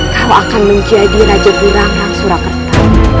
kau akan menjadi raja burang dan surakarta